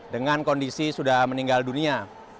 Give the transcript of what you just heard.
dengan kondisi sudah meninggal dunia